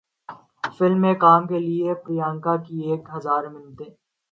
film میں کام کیلئے پریانکا کی ایک ہزار منتیں